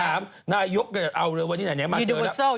ถามหน้ายกเอาเลยวันนี้หน้านี้มายังไม่เจอแล้ว